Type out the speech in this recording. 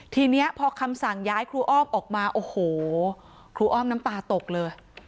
ทีนี้พอคำสั่งย้ายครูอ้อมออกมาโอ้โหครูอ้อมน้ำตาตกเลย